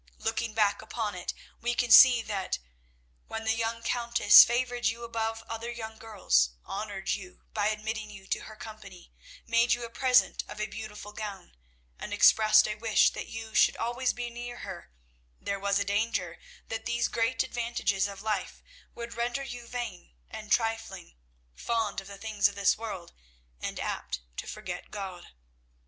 Looking back upon it we can see that, when the young Countess favoured you above other young girls, honoured you by admitting you to her company, made you a present of a beautiful gown, and expressed a wish that you should always be near her, there was a danger that these great advantages of life would render you vain and trifling, fond of the things of this world, and apt to forget God.